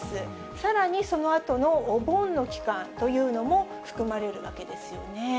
さらにそのあとのお盆の期間というのも含まれるわけですよね。